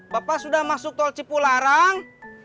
bapak sudah masuk tol cipu larang